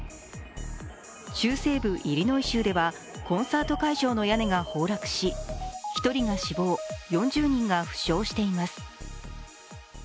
中西部イリノイ州ではコンサート会場の屋根が崩落し１人が死亡、４０人が負傷しています。